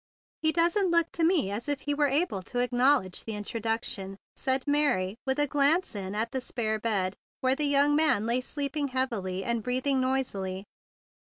"He doesn't look to me as if he were able to acknowledge the introduction," said Mary with a glance in at the spare bed, where the young man lay sleeping heavily and breathing noisily.